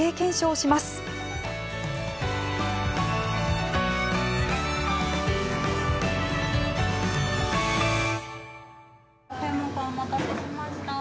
お待たせしました。